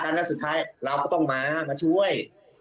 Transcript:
เราต้องมาช่วย